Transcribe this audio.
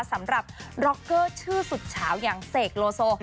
สำหรับร็อกเกอร์ชื่อสุดเฉาอย่างเสกโลโซ